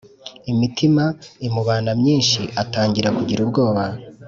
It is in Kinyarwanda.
imitima imubana myinshi atangira kugira ubwoba